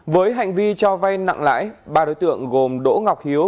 với hành vi cho vay nặng lãi ba đối tượng gồm đỗ ngọc hiếu